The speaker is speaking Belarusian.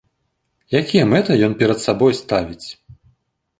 Якія мэты ён перад сабой ставіць?